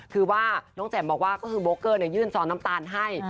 คือว่าน้องแจ่มบอกว่าก็คือโบเกอร์ยื่นซอนน้ำตาลให้